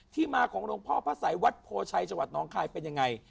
ที่มาของหลวงพ่อพระสัยวัดโพชัยจังหวัดน้องคายเป็นยังไง